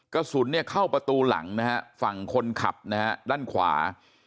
กระสุนเนี่ยเข้าประตูหลังนะฮะฝั่งคนขับนะฮะด้านขวา